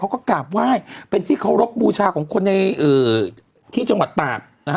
กราบไหว้เป็นที่เคารพบูชาของคนในที่จังหวัดตากนะฮะ